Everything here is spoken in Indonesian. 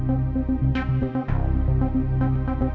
apa kau siap